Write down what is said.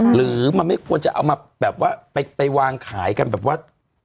หรือมันไม่ควรจะเอามาแบบว่าไปวางขายกันแบบว่า